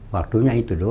waktunya itu doang